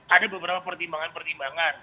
ada beberapa pertimbangan pertimbangan